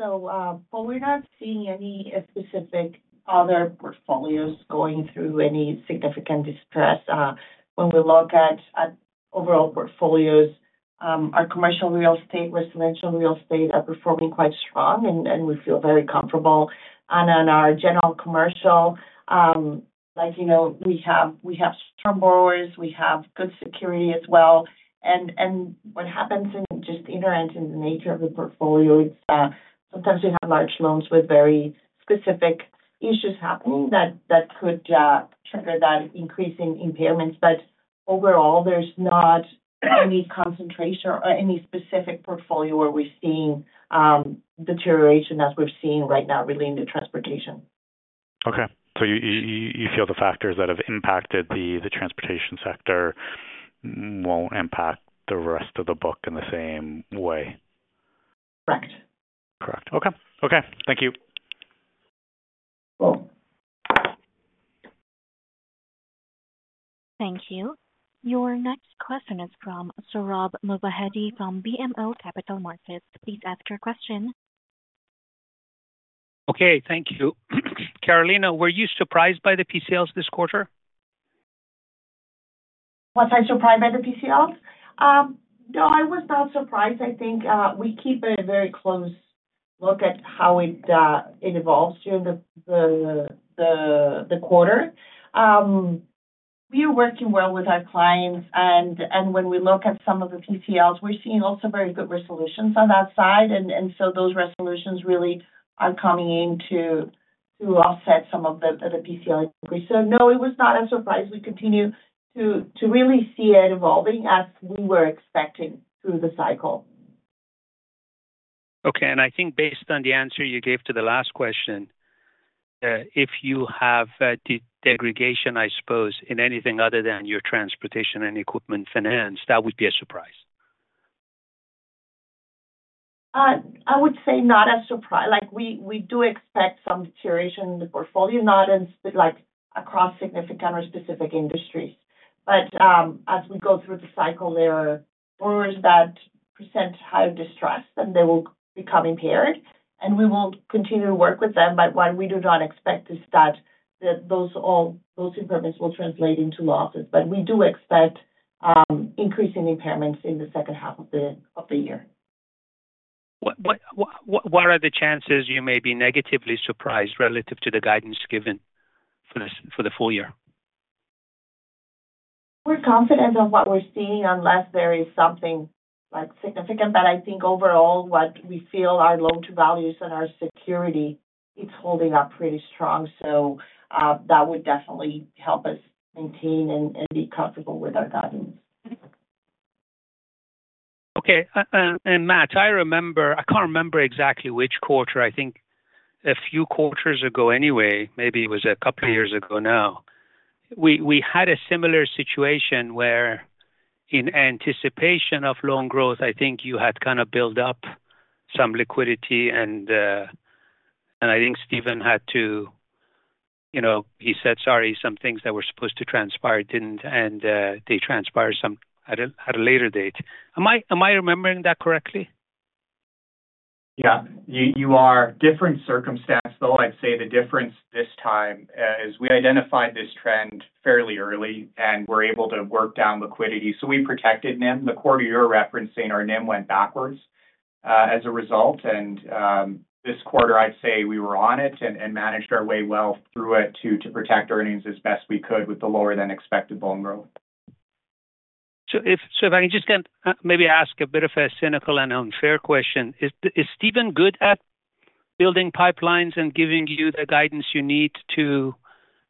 Well, we're not seeing any specific other portfolios going through any significant distress. When we look at overall portfolios, our commercial real estate, residential real estate are performing quite strong, and we feel very comfortable. On our general commercial, like, you know, we have strong borrowers, we have good security as well. What happens is just inherent in the nature of the portfolio; sometimes we have large loans with very specific issues happening that could trigger that increase in impairments. But overall, there's not any concentration or any specific portfolio where we're seeing deterioration as we're seeing right now relating to transportation. Okay. So you feel the factors that have impacted the transportation sector won't impact the rest of the book in the same way? Correct. Correct. Okay. Okay, thank you. Welcome. Thank you. Your next question is from Sohrab Movahedi from BMO Capital Markets. Please ask your question. Okay, thank you. Carolina, were you surprised by the PCLs this quarter? Was I surprised by the PCLs? No, I was not surprised. I think, we keep a very close look at how it, it evolves during the, the quarter. We are working well with our clients, and when we look at some of the PCLs, we're seeing also very good resolutions on that side. And so those resolutions really are coming in to offset some of the, the PCL increase. So no, it was not a surprise. We continue to really see it evolving as we were expecting through the cycle. Okay. And I think based on the answer you gave to the last question, if you have degradation, I suppose, in anything other than your transportation and equipment finance, that would be a surprise. I would say not a surprise. Like, we do expect some deterioration in the portfolio, not in like across significant or specific industries... but, as we go through the cycle, there are borrowers that present high distress, and they will become impaired, and we will continue to work with them. But what we do not expect is that those impairments will translate into losses. But we do expect increasing impairments in the second half of the year. What are the chances you may be negatively surprised relative to the guidance given for the full year? We're confident of what we're seeing, unless there is something, like, significant. But I think overall, what we feel our loan to values and our security, it's holding up pretty strong. So, that would definitely help us maintain and be comfortable with our guidance. Okay, and Matt, I remember—I can't remember exactly which quarter. I think a few quarters ago anyway, maybe it was a couple years ago now. We had a similar situation where in anticipation of loan growth, I think you had kind of built up some liquidity and... and I think Stephen had to, you know, he said, "Sorry, some things that were supposed to transpire didn't," and they transpired some at a later date. Am I remembering that correctly? Yeah, you are. Different circumstance, though I'd say the difference this time is we identified this trend fairly early and were able to work down liquidity, so we protected NIM. The quarter you're referencing, our NIM went backwards as a result, and this quarter, I'd say, we were on it and managed our way well through it to protect earnings as best we could with the lower than expected loan growth. So if I can just kind of, maybe ask a bit of a cynical and unfair question. Is Stephen good at building pipelines and giving you the guidance you need to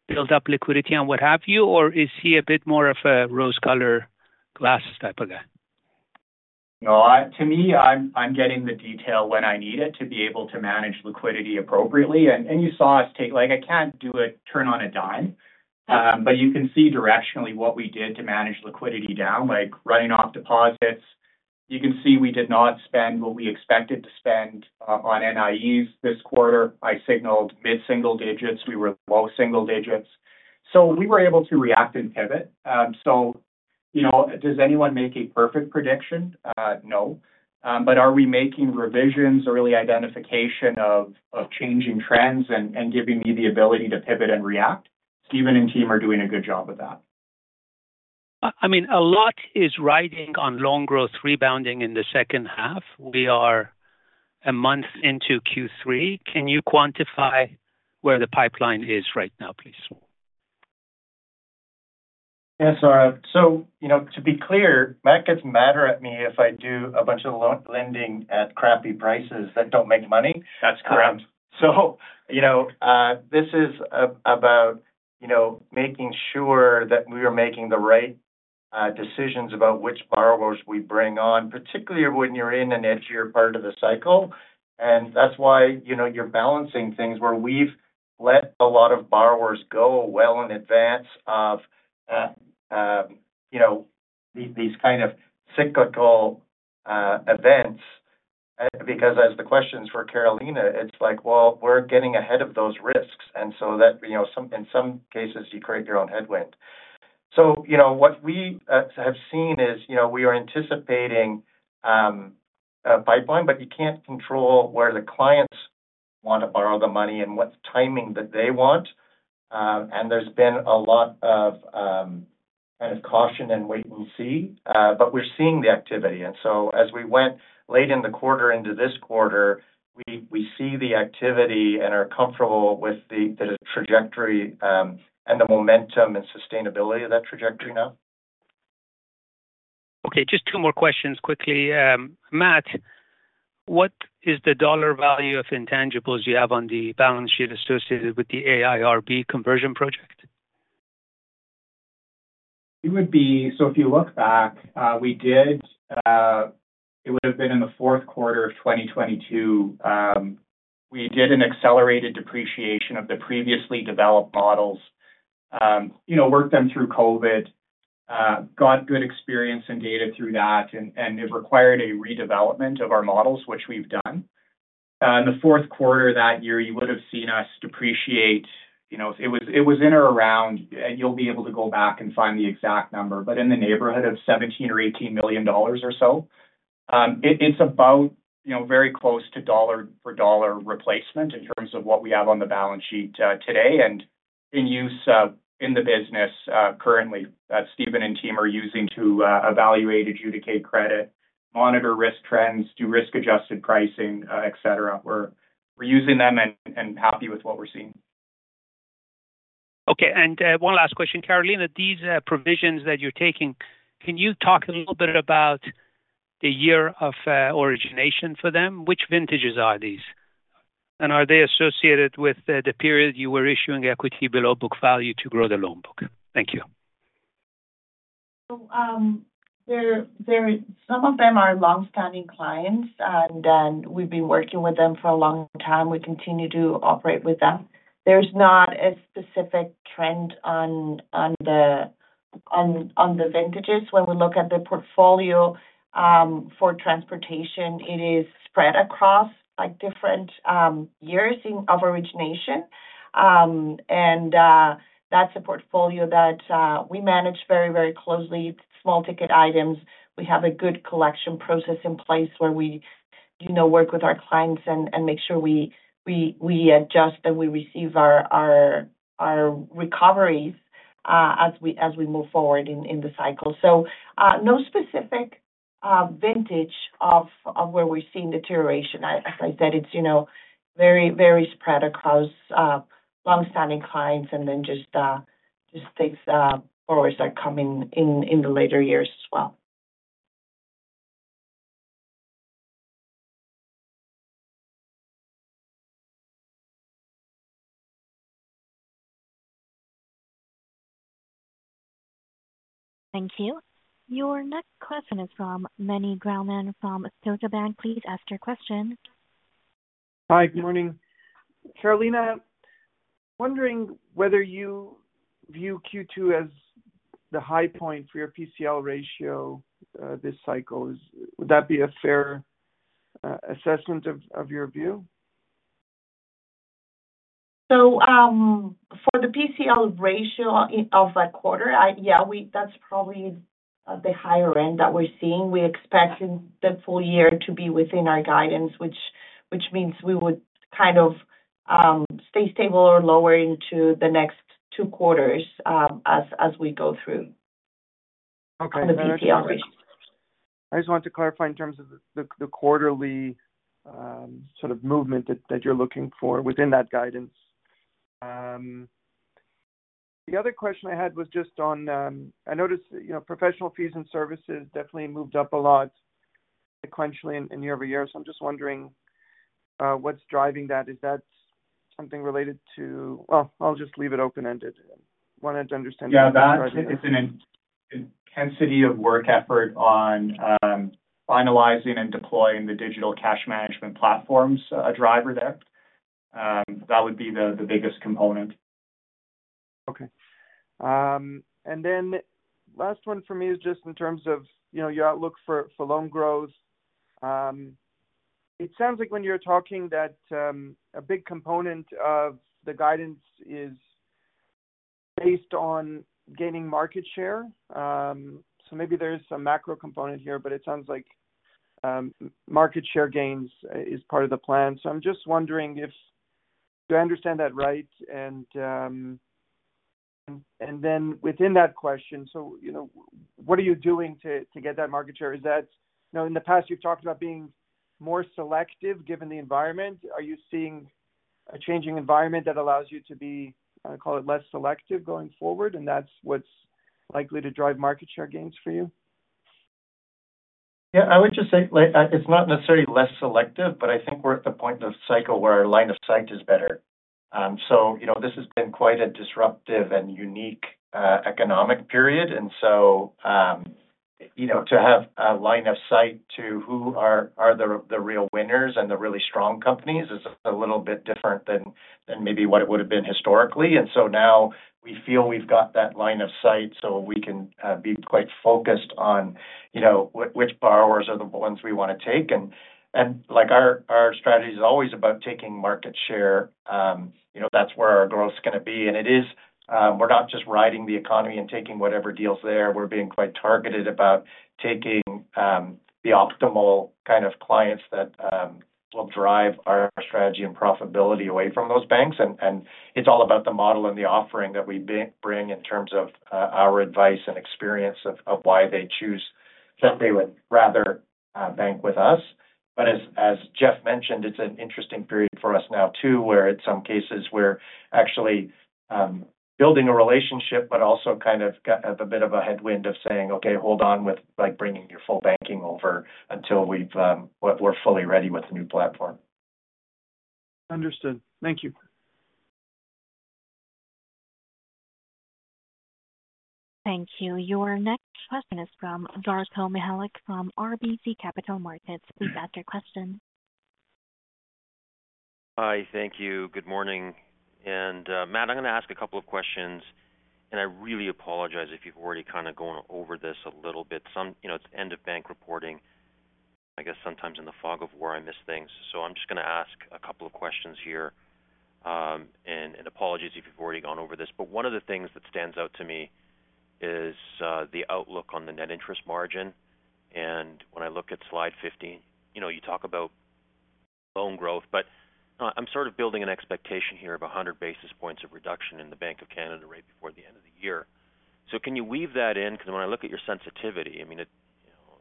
build up liquidity and what have you, or is he a bit more of a rose-colored glasses type of guy? No, I-- to me, I'm getting the detail when I need it to be able to manage liquidity appropriately. And you saw us take-- like, I can't do a turn on a dime. But you can see directionally what we did to manage liquidity down, like writing off deposits. You can see we did not spend what we expected to spend on NIEs this quarter. I signaled mid-single digits. We were low single digits, so we were able to react and pivot. So, you know, does anyone make a perfect prediction? No. But are we making revisions or early identification of changing trends and giving me the ability to pivot and react? Stephen and team are doing a good job of that. I mean, a lot is riding on loan growth rebounding in the second half. We are a month into Q3. Can you quantify where the pipeline is right now, please? Yeah, so, so you know, to be clear, Matt gets madder at me if I do a bunch of loan lending at crappy prices that don't make money. That's correct. So you know, this is about, you know, making sure that we are making the right decisions about which borrowers we bring on, particularly when you're in an edgier part of the cycle, and that's why, you know, you're balancing things where we've let a lot of borrowers go well in advance of, you know, these kind of cyclical events. Because as the questions for Carolina, it's like, well, we're getting ahead of those risks, and so that, you know, in some cases, you create your own headwind. So, you know, what we have seen is, you know, we are anticipating a pipeline, but you can't control where the clients want to borrow the money and what timing that they want. There's been a lot of kind of caution and wait and see, but we're seeing the activity. So as we went late in the quarter into this quarter, we see the activity and are comfortable with the trajectory, and the momentum and sustainability of that trajectory now. Okay, just two more questions quickly. Matt, what is the dollar value of intangibles you have on the balance sheet associated with the AIRB conversion project? It would be so if you look back, we did, it would have been in the Q4 of 2022. We did an accelerated depreciation of the previously developed models. You know, worked them through COVID, got good experience and data through that, and it required a redevelopment of our models, which we've done. In the Q4 that year, you would have seen us depreciate, you know, it was, it was in or around. You'll be able to go back and find the exact number, but in the neighborhood of 17 million-18 million dollars or so. It's about, you know, very close to dollar for dollar replacement in terms of what we have on the balance sheet today and in use in the business currently, that Stephen and team are using to evaluate, adjudicate credit, monitor risk trends, do risk-adjusted pricing, et cetera. We're using them and happy with what we're seeing. Okay, and, one last question. Carolina, these provisions that you're taking, can you talk a little bit about the year of origination for them? Which vintages are these, and are they associated with the period you were issuing equity below book value to grow the loan book? Thank you. So, some of them are long-standing clients, and we've been working with them for a long time. We continue to operate with them. There's not a specific trend on the vintages, when we look at the portfolio, for transportation, it is spread across, like, different years of origination. And that's a portfolio that we manage very, very closely. It's small ticket items. We have a good collection process in place where we, you know, work with our clients and make sure we adjust, and we receive our recoveries, as we move forward in the cycle. So, no specific vintage of where we're seeing deterioration. As I said, it's, you know, very, very spread across long-standing clients and then just, just things, borrowers that come in in the later years as well. Thank you. Your next question is from Meny Grauman from Scotiabank. Please ask your question. Hi, good morning. Carolina, wondering whether you view Q2 as the high point for your PCL ratio this cycle. Would that be a fair assessment of your view? So, for the PCL ratio of that quarter, yeah, that's probably at the higher end that we're seeing. We expect in the full year to be within our guidance, which means we would kind of stay stable or lower into the next two quarters, as we go through- Okay. The PCL ratio. I just wanted to clarify in terms of the quarterly sort of movement that you're looking for within that guidance. The other question I had was just on, I noticed, you know, professional fees and services definitely moved up a lot sequentially year over year. So I'm just wondering, what's driving that? Is that something related to... Well, I'll just leave it open-ended. Wanted to understand- Yeah, that is an intensity of work effort on finalizing and deploying the digital cash management platforms, driver there. That would be the biggest component. Okay. And then last one for me is just in terms of, you know, your outlook for loan growth. It sounds like when you're talking that, a big component of the guidance is based on gaining market share. So maybe there's some macro component here, but it sounds like, market share gains is part of the plan. So I'm just wondering if—do I understand that right? And then within that question, so, you know, what are you doing to get that market share? Is that... You know, in the past, you've talked about being more selective, given the environment. Are you seeing a changing environment that allows you to be, call it less selective, going forward, and that's what's likely to drive market share gains for you? Yeah, I would just say, like, it's not necessarily less selective, but I think we're at the point of cycle where our line of sight is better. So, you know, this has been quite a disruptive and unique economic period. And so, you know, to have a line of sight to who are the real winners and the really strong companies is a little bit different than maybe what it would have been historically. And so now we feel we've got that line of sight, so we can be quite focused on, you know, which borrowers are the ones we wanna take. And, like, our strategy is always about taking market share. You know, that's where our growth is gonna be. And it is, we're not just riding the economy and taking whatever deals there. We're being quite targeted about taking the optimal kind of clients that will drive our strategy and profitability away from those banks. And it's all about the model and the offering that we bring in terms of our advice and experience of why they choose that they would rather bank with us. But as Jeff mentioned, it's an interesting period for us now, too, where in some cases, we're actually building a relationship, but also kind of have a bit of a headwind of saying, "Okay, hold on with, like, bringing your full banking over until we're fully ready with the new platform. Understood. Thank you. Thank you. Your next question is from Darko Mihelic from RBC Capital Markets. Please ask your question. Hi, thank you. Good morning. And, Matt, I'm going to ask a couple of questions, and I really apologize if you've already kind of gone over this a little bit. Some, you know, it's end of bank reporting. I guess sometimes in the fog of war, I miss things. So I'm just gonna ask a couple of questions here, and, and apologies if you've already gone over this. But one of the things that stands out to me is, the outlook on the net interest margin. And when I look at slide 15, you know, you talk about loan growth, but, I'm sort of building an expectation here of 100 basis points of reduction in the Bank of Canada right before the end of the year. So can you weave that in? Because when I look at your sensitivity, I mean, you know,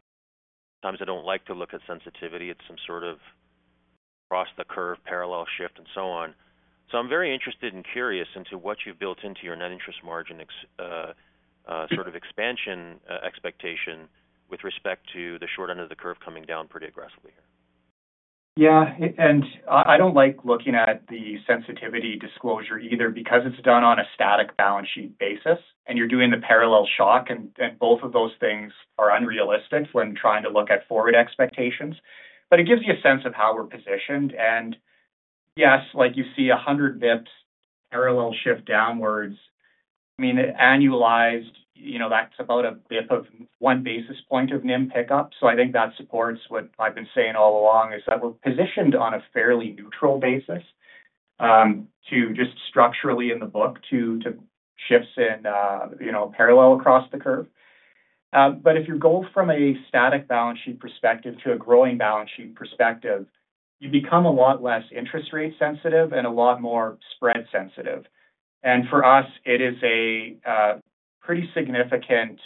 sometimes I don't like to look at sensitivity. It's some sort of across the curve, parallel shift and so on. So I'm very interested and curious into what you've built into your net interest margin, ex- sort of expansion, expectation with respect to the short end of the curve coming down pretty aggressively here. Yeah, and I don't like looking at the sensitivity disclosure either, because it's done on a static balance sheet basis, and you're doing the parallel shock, and both of those things are unrealistic when trying to look at forward expectations. But it gives you a sense of how we're positioned, and-... Yes, like you see 100 basis points parallel shift downwards. I mean, annualized, you know, that's about a basis point of 1 basis point of NIM pickup. So I think that supports what I've been saying all along, is that we're positioned on a fairly neutral basis, to just structurally in the book to shifts in, you know, parallel across the curve. But if you go from a static balance sheet perspective to a growing balance sheet perspective, you become a lot less interest rate sensitive and a lot more spread sensitive. And for us, it is a, pretty significant,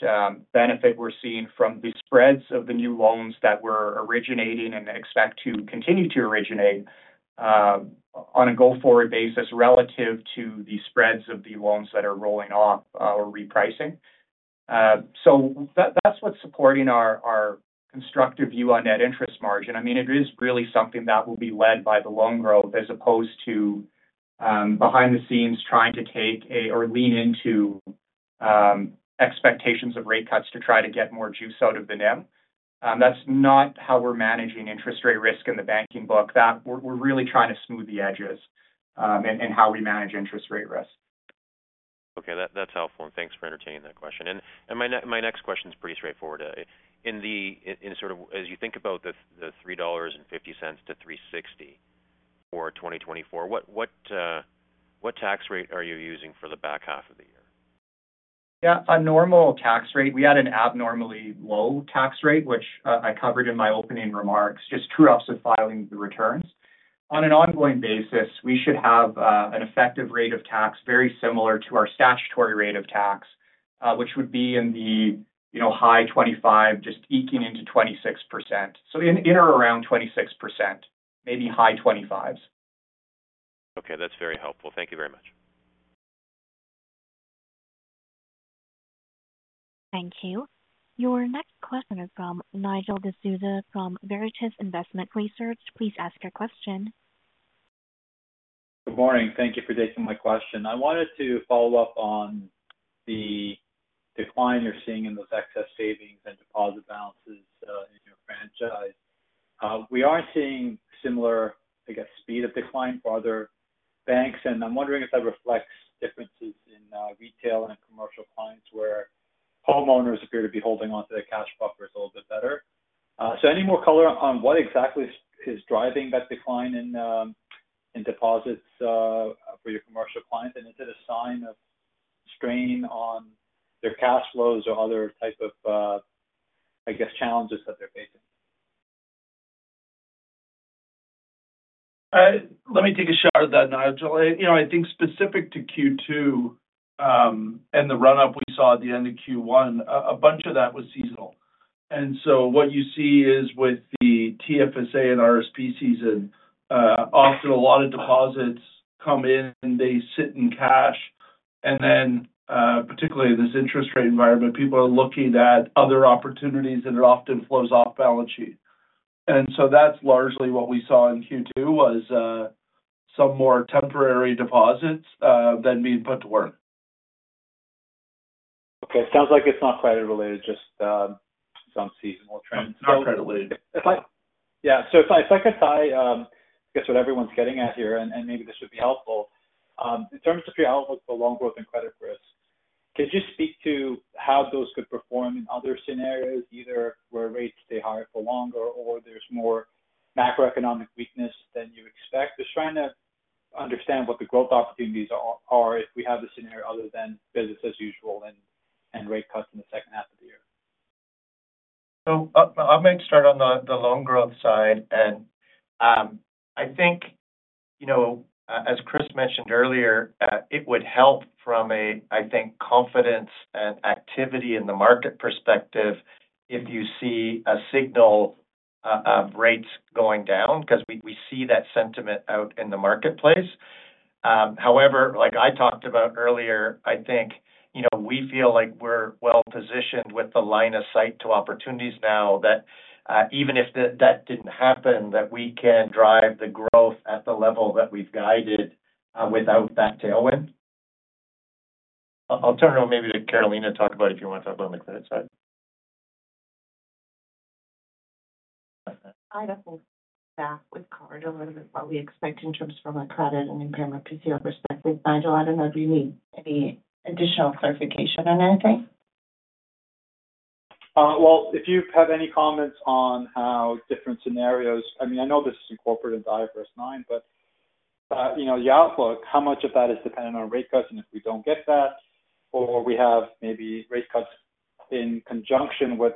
benefit we're seeing from the spreads of the new loans that we're originating and expect to continue to originate, on a go-forward basis, relative to the spreads of the loans that are rolling off or repricing. So that's what's supporting our constructive view on net interest margin. I mean, it is really something that will be led by the loan growth, as opposed to behind the scenes, trying to take or lean into expectations of rate cuts to try to get more juice out of the NIM. That's not how we're managing interest rate risk in the banking book. We're really trying to smooth the edges in how we manage interest rate risk. Okay, that's helpful, and thanks for entertaining that question. My next question is pretty straightforward. In sort of as you think about the 3.50-3.60 dollars for 2024, what tax rate are you using for the back half of the year? Yeah, a normal tax rate. We had an abnormally low tax rate, which, I covered in my opening remarks, just true ups of filing the returns. On an ongoing basis, we should have, an effective rate of tax very similar to our statutory rate of tax, which would be in the, you know, high 25, just eking into 26%. So in, in or around 26%, maybe high 25s. Okay, that's very helpful. Thank you very much. Thank you. Your next question is from Nigel D'Souza, from Veritas Investment Research. Please ask your question. Good morning. Thank you for taking my question. I wanted to follow up on the decline you're seeing in those excess savings and deposit balances in your franchise. We are seeing similar, I guess, speed of decline for other banks, and I'm wondering if that reflects differences in retail and commercial clients, where homeowners appear to be holding onto their cash buffers a little bit better. So any more color on what exactly is driving that decline in deposits for your commercial clients? And is it a sign of strain on their cash flows or other type of, I guess, challenges that they're facing? Let me take a shot at that, Nigel. You know, I think specific to Q2, and the run-up we saw at the end of Q1, a bunch of that was seasonal. And so what you see is with the TFSA and RSP season, often a lot of deposits come in, they sit in cash, and then, particularly in this interest rate environment, people are looking at other opportunities, and it often flows off balance sheet. And so that's largely what we saw in Q2 was, some more temporary deposits, than being put to work. Okay, sounds like it's not credit related, just, some seasonal trends. Not credit related. If yeah, so if I, if I guess what everyone's getting at here, and, and maybe this would be helpful. In terms of your outlook for loan growth and credit risk, could you speak to how those could perform in other scenarios, either where rates stay higher for longer or there's more macroeconomic weakness than you expect? Just trying to understand what the growth opportunities are, are, if we have a scenario other than business as usual and, and rate cuts in the second half of the year. So I'm going to start on the loan growth side. I think, you know, as Chris mentioned earlier, it would help from a, I think, confidence and activity in the market perspective, if you see a signal of rates going down, because we see that sentiment out in the marketplace. However, like I talked about earlier, I think, you know, we feel like we're well positioned with the line of sight to opportunities now, that even if that didn't happen, that we can drive the growth at the level that we've guided without that tailwind. I'll turn it over maybe to Carolina to talk about if you want to talk about on the credit side. I don't think that we've covered a little bit what we expect in terms of a credit and impairment PCL perspective. Nigel, I don't know if you need any additional clarification on anything? Well, if you have any comments on how different scenarios... I mean, I know this is in corporate and diversified line, but, you know, the outlook, how much of that is dependent on rate cuts, and if we don't get that, or we have maybe rate cuts in conjunction with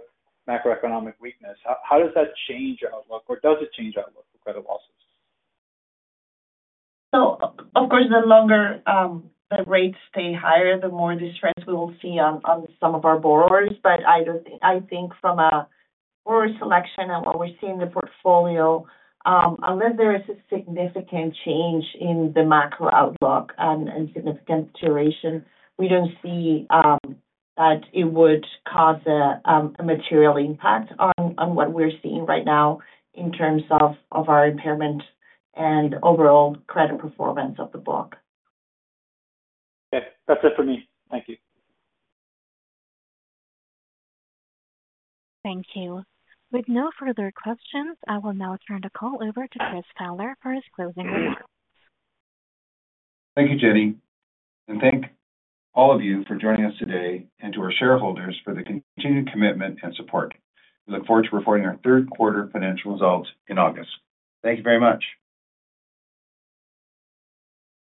macroeconomic weakness, how, how does that change your outlook, or does it change your outlook for credit losses? So of course, the longer the rates stay higher, the more distress we will see on some of our borrowers. But I don't think from a borrower selection and what we see in the portfolio, unless there is a significant change in the macro outlook and significant duration, we don't see that it would cause a material impact on what we're seeing right now in terms of our impairment and overall credit performance of the book. Okay, that's it for me. Thank you. Thank you. With no further questions, I will now turn the call over to Chris Fowler for his closing remarks. Thank you, Jenny, and thank all of you for joining us today and to our shareholders for the continued commitment and support. We look forward to reporting our Q3 financial results in August. Thank you very much.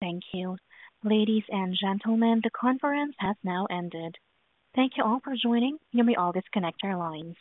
Thank you. Ladies and gentlemen, the conference has now ended. Thank you all for joining. You may all disconnect your lines.